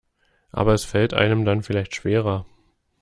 Aber es fällt einem dann vielleicht schwerer.